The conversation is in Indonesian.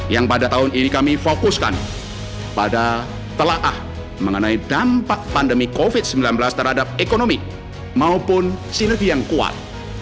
yang pada tahun ini kami fokuskan pada telah mengenai dampak pandemi covid sembilan belas terhadap ekonomi maupun sinergi yang kuat